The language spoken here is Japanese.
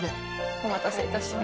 お待たせ致しました。